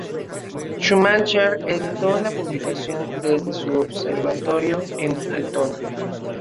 Schumacher editó la publicación desde su observatorio en Altona.